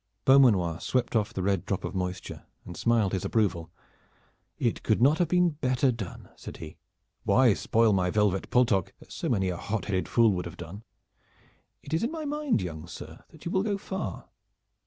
Beaumanoir swept off the red drop of moisture and smiled his approval. "It could not have been better done," said he. "Why spoil my velvet paltock as many a hot headed fool would have done. It is in my mind, young sir, that you will go far.